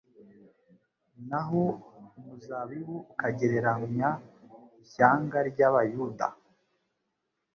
naho umuzabibu ukagereranya ishyangary' abayuda;